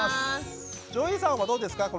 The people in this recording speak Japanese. ＪＯＹさんはどうですか？